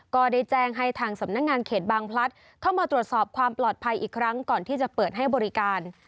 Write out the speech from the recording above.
ก็ได้แจ้งให้ทางสำนักงานเขตบางพลัดเข้ามาตรวจสอบความปลอดภัยอีกครั้งก่อนที่จะเปิดให้บริการ